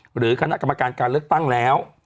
หรือคณะกรรมการการเลือกตั้งแล้ว